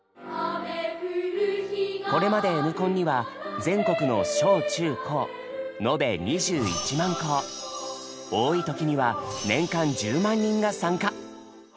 これまで「Ｎコン」には全国の小・中・高多い時には年間１０万人が参加。